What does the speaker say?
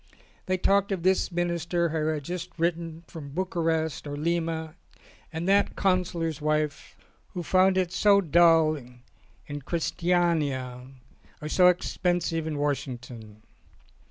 They talked of this Minister who had just written from Bucharest or Lima, and that Counsellor's wife who found it so dull in Christiania or so expensive in Washington.